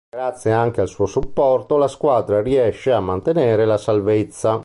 Grazie anche al suo supporto la squadra riesce a mantenere la salvezza.